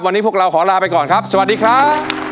วันนี้พวกเราขอลาไปก่อนครับสวัสดีครับ